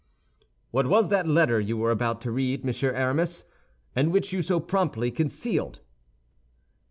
"What was that letter you were about to read, Monsieur Aramis, and which you so promptly concealed?"